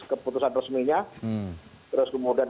keputusan resminya terus kemudian